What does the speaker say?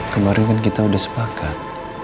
kemarin kan kita sudah sepakat